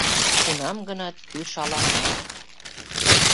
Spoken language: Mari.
Кунам-гынат кӱ шалана